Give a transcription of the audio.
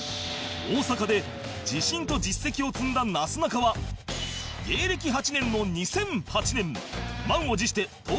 大阪で自信と実績を積んだなすなかは芸歴８年の２００８年満を持して東京進出を決意！